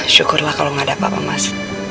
syukurlah kalau gak ada apa apa mas